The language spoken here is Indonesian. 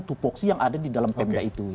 tupuksi yang ada di dalam perangga itu